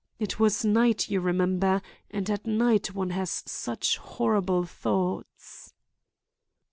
It was night, you remember, and at night one has such horrible thoughts."